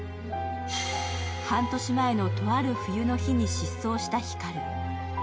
半年前のとある冬の日に失踪した光。